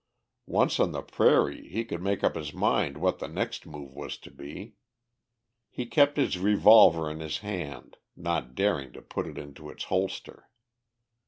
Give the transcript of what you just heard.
Once on the prairie he could make up his mind what the next move was to be. He kept his revolver in his hand, not daring to put it into its holster.